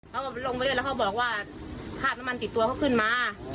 เขาก็ลงไปเล่นแล้วเขาบอกว่าคาดน้ำมันติดตัวเขาขึ้นมา